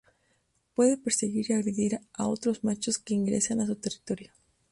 Puede perseguir y agredir a otros machos que ingresen a su territorio.